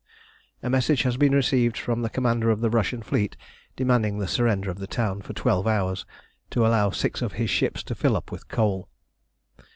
A message has been received from the Commander of the Russian fleet demanding the surrender of the town for twelve hours to allow six of his ships to fill up with coal.